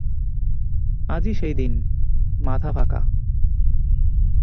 আজই সেইদিন, মাথাফাকা।